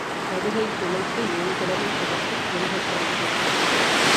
கடுகைத் துளைத்து ஏழ்கடலைப் புகட்டிக் குறுகத் தரித்த குறள்